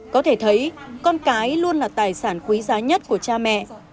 có thể thấy con cái luôn là tài sản quý giá nhất của cha mẹ